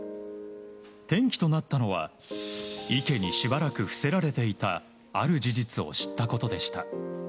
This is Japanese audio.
転機となったのは池にしばらく伏せられていたある事実を知ったことでした。